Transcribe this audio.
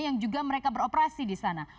yang juga mereka beroperasi di sana